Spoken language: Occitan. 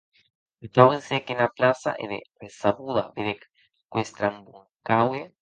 Atau gessec ena plaça e de ressabuda vedec qu'estramuncaue.